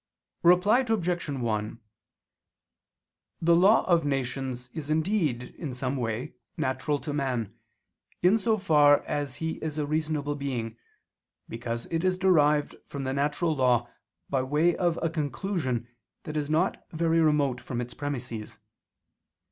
Reply Obj. 1: The law of nations is indeed, in some way, natural to man, in so far as he is a reasonable being, because it is derived from the natural law by way of a conclusion that is not very remote from its premises.